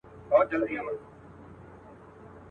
څه د بمونو څه توپونو په زور ونړیږي.